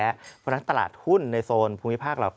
เพราะฉะนั้นตลาดหุ้นในโซนภูมิภาคเรา